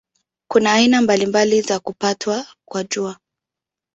Kuna aina mbalimbali za kupatwa kwa Jua.